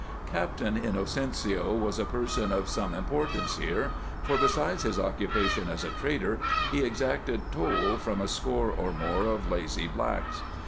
Captain Inocencio was a person of some importance here, for, besides his occupation as a trader, he exacted toll from a score or more of lazy blacks.